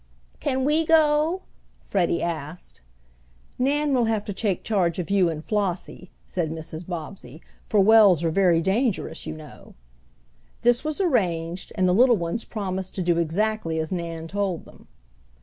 "Can we go?" Freddie asked. "Nan will have to take charge of you and Flossie," said Mrs. Bobbsey, "for wells are very dangerous, you know." This was arranged, and the little ones promised to do exactly as Nan told them.